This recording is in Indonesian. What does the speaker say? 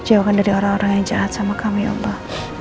jauhkan dari orang orang yang jahat sama kami allah